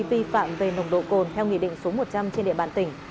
vi phạm về nồng độ cồn theo nghị định số một trăm linh trên địa bàn tỉnh